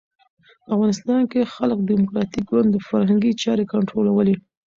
په افغانستان کې خلق ډیموکراټیک ګوند فرهنګي چارې کنټرولولې.